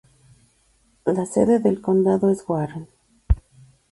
La sede del condado es Warren.